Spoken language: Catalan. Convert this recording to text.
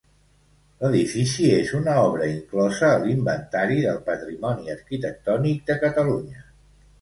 L'edifici és una obra inclosa a l'Inventari del Patrimoni Arquitectònic de Catalunya.